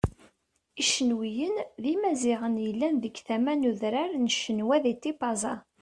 Icenwiyen d Imaziɣen yellan deg tama n udran n Cenwa di Tipaza.